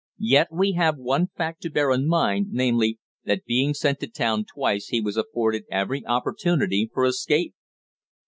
Yet, we have one fact to bear in mind, namely, that being sent to town twice he was afforded every opportunity for escape."